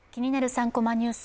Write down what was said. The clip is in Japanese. ３コマニュース」